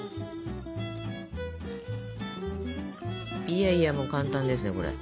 いやいやもう簡単ですよこれ。